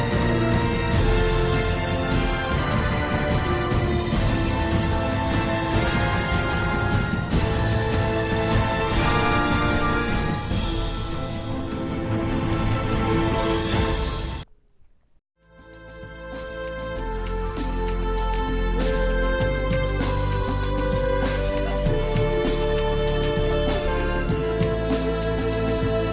cái thật của mình